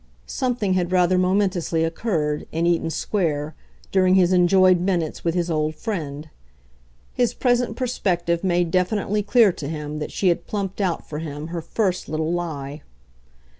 Something had rather momentously occurred, in Eaton Square, during his enjoyed minutes with his old friend: his present perspective made definitely clear to him that she had plumped out for him her first little lie.